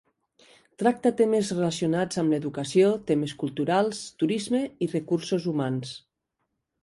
Tracta temes relacionats amb l'educació, temes culturals, turisme i recursos humans.